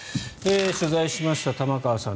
取材しました、玉川さん。